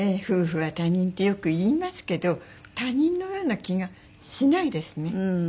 夫婦は他人ってよく言いますけど他人のような気がしないですね。